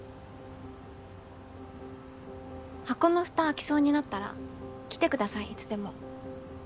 箱の蓋開きそうになったら来てくださいいつでも。